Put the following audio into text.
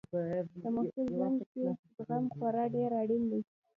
د محصل ژوند کې زغم خورا ډېر اړین دی.